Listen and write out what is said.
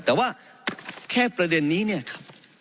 แต่ว่าแค่ประเด็นนี้เนี่ยครับ